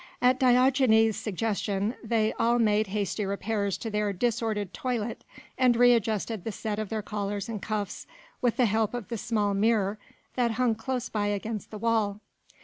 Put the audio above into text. At Diogenes' suggestion they all made hasty repairs to their disordered toilet, and re adjusted the set of their collars and cuffs with the help of the small mirror that hung close by against the wall.